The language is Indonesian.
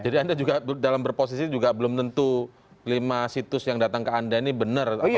jadi anda juga dalam berposisi juga belum tentu lima situs yang datang ke anda ini benar atau tidak gitu ya